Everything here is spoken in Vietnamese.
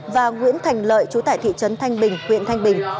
và nguyễn thành lợi chú tại thị trấn thanh bình huyện thanh bình